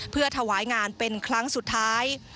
เพื่อถวายงานเป็นครั้งสุดท้าย